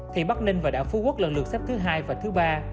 thì bắc ninh và đảo phú quốc lần lượt xếp thứ hai và thứ ba